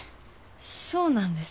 そうなんですか？